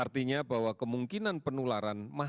artinya bahwa kemungkinan penularan